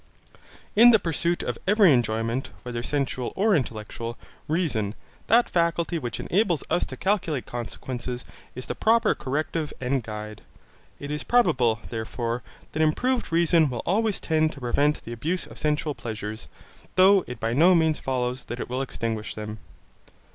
In the pursuit of every enjoyment, whether sensual or intellectual, reason, that faculty which enables us to calculate consequences, is the proper corrective and guide. It is probable therefore that improved reason will always tend to prevent the abuse of sensual pleasures, though it by no means follows that it will extinguish them.